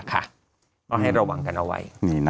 ก็ให้ระวังกันเอาไว้